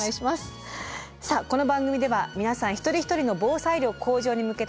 さあこの番組では皆さん一人一人の防災力向上に向けた取り組み